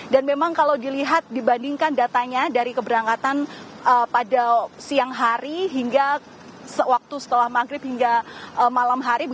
memang kalau dilihat dibandingkan datanya dari keberangkatan pada siang hari hingga sewaktu setelah maghrib hingga malam hari